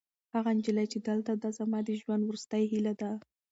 هغه نجلۍ چې دلته ده، زما د ژوند وروستۍ هیله ده.